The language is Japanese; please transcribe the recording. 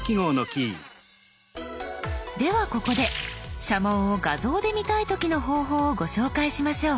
ではここで社紋を画像で見たい時の方法をご紹介しましょう。